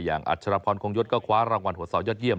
อย่างอัชรพรคงยศก็คว้ารางวัลหัวเสายอดเยี่ยม